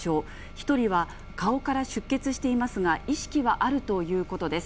１人は顔から出血していますが、意識はあるということです。